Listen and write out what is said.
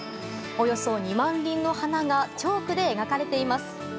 およそ２万輪の花がチョークで描かれています。